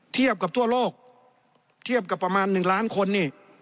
เทียบกับทั่วโลกเทียบกับประมาณ๑ล้านคนนี่